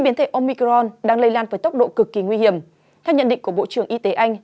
biến thể omicron đang lây lan với tốc độ cực kỳ nguy hiểm theo nhận định của bộ trưởng y tế anh